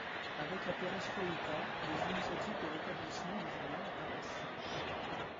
Avec la perestroïka, des initiatives de rétablissement du journal apparaissent.